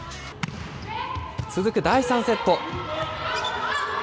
続く第３セット。